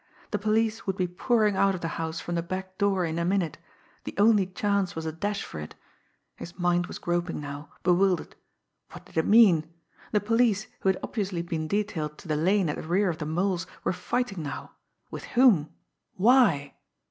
The police would be pouring out of the house from the back door in a minute the only chance was a dash for it. His mind was groping now, bewildered. What did it mean? The police who had obviously been detailed to the lane at the rear of the Mole's were fighting now with whom why?